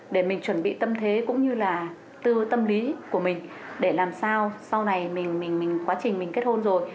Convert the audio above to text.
để mình chuẩn bị tâm thế cũng như là từ tâm lý của mình để làm sao sau này mình quá trình mình kết hôn rồi